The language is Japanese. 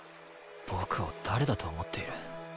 僕を誰だと思っている？